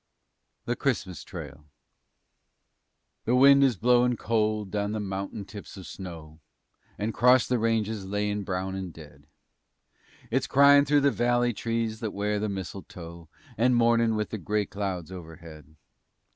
THE CHRISTMAS TRAIL The wind is blowin' cold down the mountain tips of snow And 'cross the ranges layin' brown and dead; It's cryin' through the valley trees that wear the mistletoe And mournin' with the gray clouds overhead.